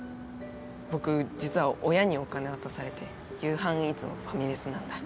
僕実は親にお金渡されて夕飯いつもファミレスなんだ。